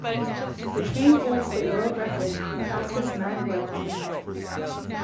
The train holds the world record for fastest maglev train.